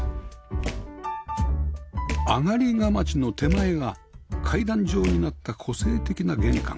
上がり框の手前が階段状になった個性的な玄関